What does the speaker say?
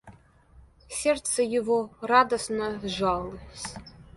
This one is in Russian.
Сердце его радостно сжалось.